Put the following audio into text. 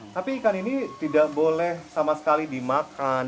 tapi ikan ini tidak boleh sama sekali dimakan